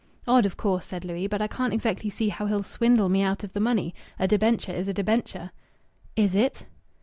"Odd, of course!" said Louis. "But I can't exactly see how he'll swindle me out of the money! A debenture is a debenture." "Is it?"